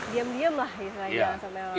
diam diam lah ya pak jokowi